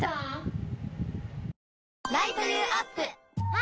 あ！